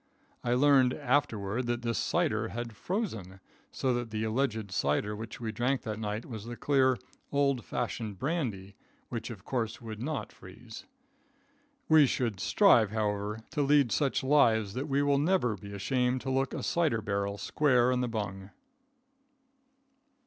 I learned afterward that this cider had frozen, so that the alleged cider which we drank that night was the clear, old fashioned brandy, which of course would not freeze. We should strive, however, to lead such lives that we will never be ashamed to look a cider barrel square in the bung.